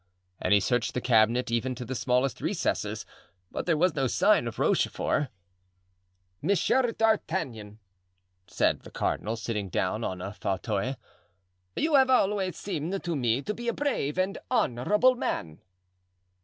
And he searched the cabinet even to the smallest recesses, but there was no sign of Rochefort. "Monsieur d'Artagnan," said the cardinal, sitting down on a fauteuil, "you have always seemed to me to be a brave and honorable man."